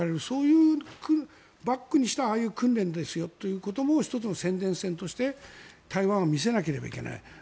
そういうバックにしたああいう訓練ですよということも１つの宣伝戦として台湾を見せなきゃいけない。